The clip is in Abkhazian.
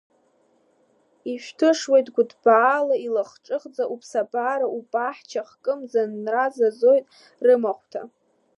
Ушәҭышуеит гәыҭбаала, илахҿыхӡа уԥсабара, убаҳча-хкы мӡанра зазоит рымахәҭа.